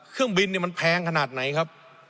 เครื่องบินมันแพงขนาดไหนครับ